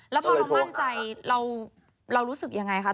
แล้วพอเรามั่นใจเรารู้สึกยังไงคะ